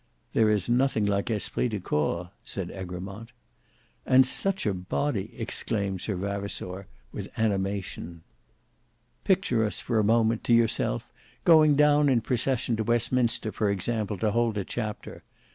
"There is nothing like esprit de corps," said Egremont. "And such a body!" exclaimed Sir Vavasour, with animation. "Picture us for a moment, to yourself going down in procession to Westminster for example to hold a chapter.